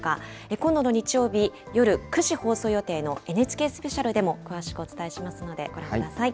今度の日曜日、夜９時放送予定のＮＨＫスペシャルでも詳しくお伝えしますのでご覧ください。